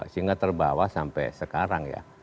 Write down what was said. sehingga terbawa sampai sekarang ya